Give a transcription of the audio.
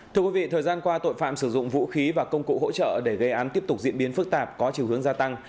thưa quý vị thời gian qua tội phạm sử dụng vũ khí và công cụ hỗ trợ để gây án tiếp tục diễn biến phức tạp có chiều hướng gia tăng